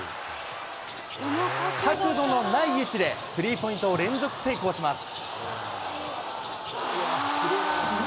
角度のない位置で、スリーポイントを連続成功します。